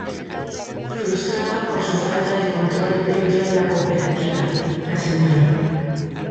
Frustrada por su falta de control dentro de la Cooperativa, la Sra.